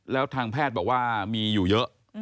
แล้วทางแพทย์บอกว่ามีอยู่เยอะ